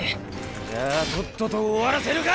じゃあとっとと終わらせるか！